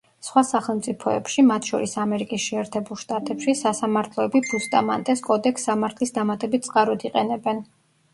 სხვა სახელმწიფოებში, მათ შორის, ამერიკის შეერთებულ შტატებში, სასამართლოები ბუსტამანტეს კოდექსს სამართლის დამატებით წყაროდ იყენებენ.